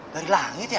dari langit ya